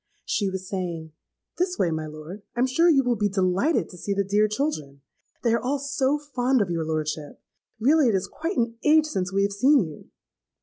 She was saying, 'This way, my lord: I am sure you will be delighted to see the dear children. They are all so fond of your lordship! Really it is quite an age since we have seen you!'